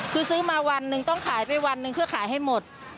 คือซื้อมาวันหนึ่งต้องขายไปวันหนึ่งเพื่อขายให้หมด